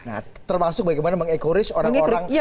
nah termasuk bagaimana mengecourage orang orang